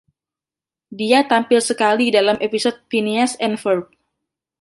Dia tampil sekali dalam episode “Phineas and Ferb”.